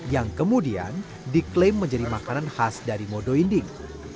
yang kemudian diklaim menjadi makanan khas dari modo inding